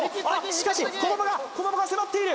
しかし駒場が駒場が迫っている！